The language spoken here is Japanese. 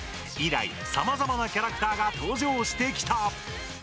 以来さまざまなキャラクターが登場してきた。